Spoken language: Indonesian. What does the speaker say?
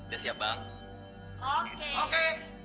udah siap bang oke oke